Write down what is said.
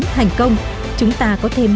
thành công chúng ta có thêm